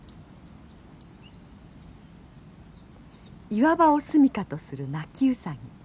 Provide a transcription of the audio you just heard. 岩場をすみかとするナキウサギ。